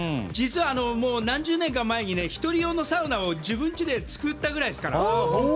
実は、何十年か前に１人用のサウナを自分ちに作ったぐらいですから。